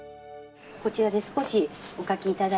こちらで少しお書き頂いて。